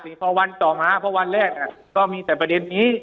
พอวันต่อมาเพราะวันแรกก็มีแต่ประเด็นนี้